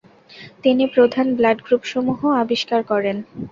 তিনি প্রধান ব্লাড গ্রুপসমূহ আবিষ্কার করেন ।